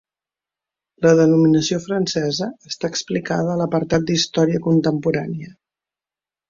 La denominació francesa està explicada a l'apartat d'Història contemporània.